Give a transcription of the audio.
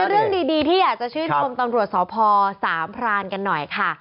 เรื่องดีที่อยากจะชื่นชมตำรวจสพสามพรานกันหน่อยค่ะ